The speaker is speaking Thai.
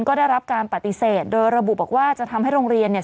ก็ได้รับการปฏิเสธโดยระบุบอกว่าจะทำให้โรงเรียนเนี่ย